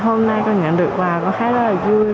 hôm nay con nhận được quà con thấy rất là vui